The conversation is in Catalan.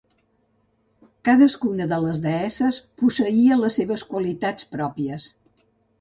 Cadascuna de les deesses posseïa les seves qualitats pròpies.